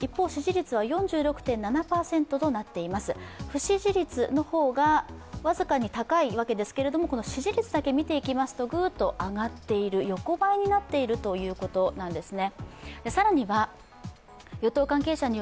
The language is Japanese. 不支持率の方が僅かに高いわけですけれども、この支持率だけ見ていきますとグーッと上がっている横ばいになっているということなんですね。